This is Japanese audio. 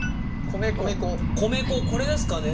米粉これですかね？